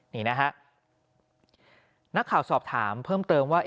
นี่นะฮะนักข่าวสอบถามเพิ่มเติมว่า